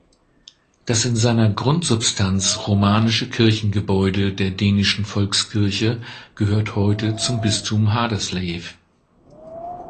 Das in seiner Grundsubstanz romanische Kirchengebäude der Dänischen Volkskirche gehört heute zum Bistum Haderslev.